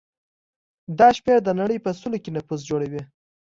دا شمېر د نړۍ په سلو کې نفوس جوړوي.